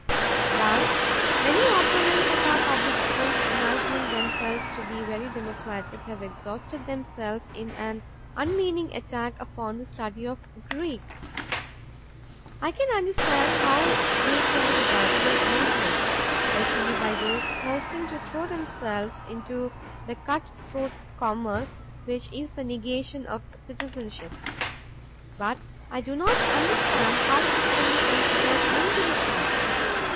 Thus many opponents of our public schools, imagining themselves to be very democratic, have exhausted themselves in an unmeaning attack upon the study of Greek. I can understand how Greek may be regarded as useless, especially by those thirsting to throw themselves into the cut throat commerce which is the negation of citizenship; but I do not understand how it can be considered undemocratic.